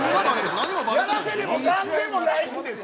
やらせでも何でもないんです。